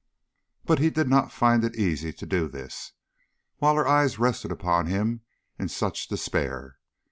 But he did not find it easy to do this, while her eyes rested upon him in such despair.